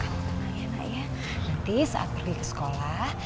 naya nanti saat pergi ke sekolah